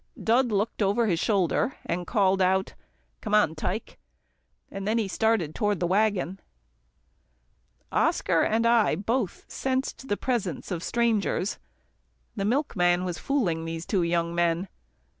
Dud looked over his shoulder, and called out, "Come on, Tike," then he started toward the waggon. Oscar and I both sensed the presence of strangers. The milkman was fooling the two young men.